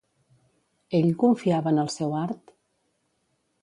Ell confiava en el seu art?